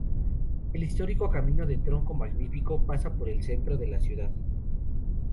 El histórico camino de tronco magnífico pasa por el centro de la ciudad.